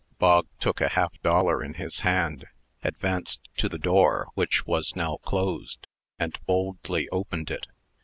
Bog took a half dollar in his hand, advanced to the door, which was now closed, and boldly opened it.